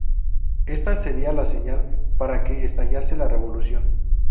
Esta sería la señal para que estallase la revolución.